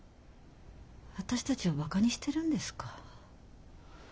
私たちをバカにしてるんですか？